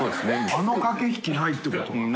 あの駆け引きないってことは。